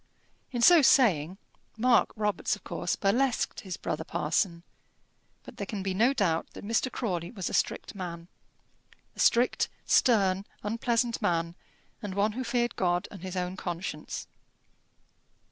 In so saying Mark Robarts of course burlesqued his brother parson; but there can be no doubt that Mr. Crawley was a strict man, a strict, stern, unpleasant man, and one who feared God and his own conscience.